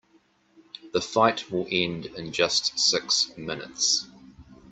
The fight will end in just six minutes.